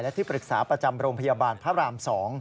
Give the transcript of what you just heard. และที่ปรึกษาประจำโรงพยาบาลพระราม๒